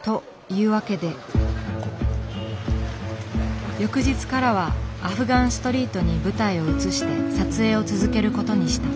というわけで翌日からはアフガン・ストリートに舞台を移して撮影を続けることにした。